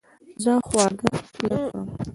زه خواږه لږ خورم.